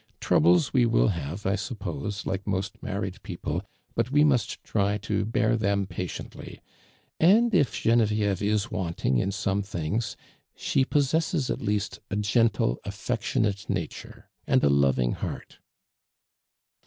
Troubk s we will have, 1 suppose, like most married jjoople, l)iit we must try to bear them ])atiently ; and if (ienovieve is wanting in some things, she possesses, at least, a ^'entle, affectionate nature, and a loving heart."